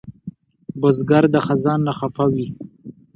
بزګر د خزان نه خفه وي